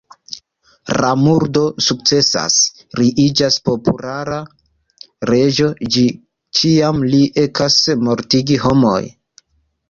La murdo sukcesas, li iĝas populara reĝo, ĝis kiam li ekas mortigi homojn.